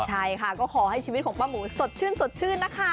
ใช่ค่ะก็ขอให้ชีวิตของป้าหมูสดชื่นสดชื่นนะคะ